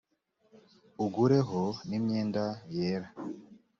ungureho n imyenda yera